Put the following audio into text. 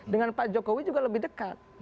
dengan pak jokowi juga lebih dekat